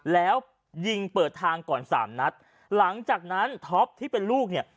แล้วยิงเปิดทางก่อนสามนัดหลังจากนั้นท็อปที่เป็นลูกเนี่ย